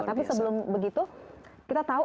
tapi sebelum begitu kita tahu